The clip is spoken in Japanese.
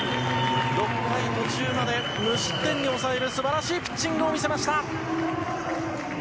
６回途中まで無失点に抑えるすばらしいピッチングを見せました。